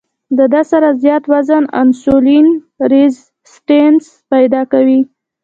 د دې سره زيات وزن انسولين ريزسټنس پېدا کوي